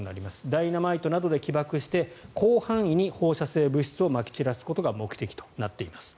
ダイナマイトなどで起爆して広範囲に放射性物質をまき散らすことが目的となっています。